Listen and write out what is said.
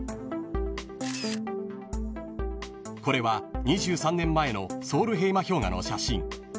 ［これは２３年前のソウルヘイマ氷河の写真］